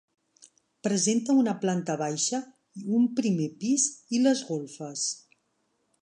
Presenta una planta baixa, un primer pis i les golfes.